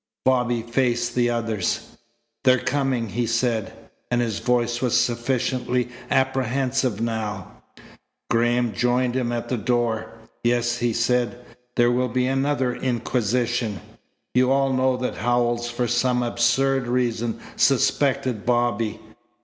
Bobby faced the others. "They're coming," he said, and his voice was sufficiently apprehensive now. Graham joined him at the door. "Yes," he said. "There will be another inquisition. You all know that Howells for some absurd reason suspected Bobby.